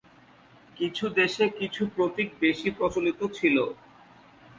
কিছু দেশে কিছু প্রতীক বেশি প্রচলিত ছিল।